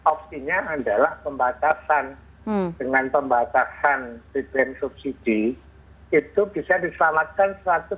nah maka opsinya adalah pembatasan dengan pembatasan di bbm subsidi itu bisa diselamatkan